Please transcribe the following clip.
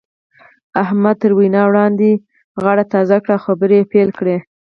احمد تر وينا وړاندې غاړه تازه کړه او خبرې يې پيل کړې.